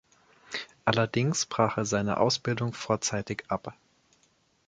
Allerdings brach er seine Ausbildung vorzeitig ab.